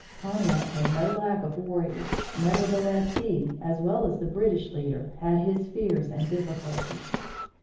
Pontiac had no lack of warriors, nevertheless he, as well as the British leader, had his fears and difficulties.